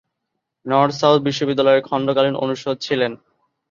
North South বিশ্ববিদ্যালয়ের খণ্ডকালীন অনুষদ ছিলেন।